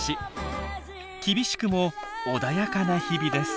厳しくも穏やかな日々です。